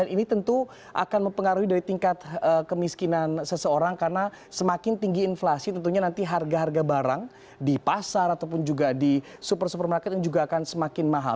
ini tentu akan mempengaruhi dari tingkat kemiskinan seseorang karena semakin tinggi inflasi tentunya nanti harga harga barang di pasar ataupun juga di super supermarket ini juga akan semakin mahal